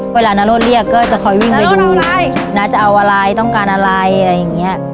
เวลานาโรธเรียกก็จะคอยวิ่งว่าน้าจะเอาอะไรต้องการอะไรอะไรอย่างเงี้ย